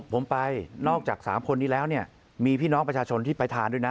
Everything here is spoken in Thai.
ผมไปนอกจาก๓คนนี้แล้วเนี่ยมีพี่น้องประชาชนที่ไปทานด้วยนะ